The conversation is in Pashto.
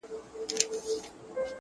ته راته ووایه چي څنگه به جنجال نه راځي~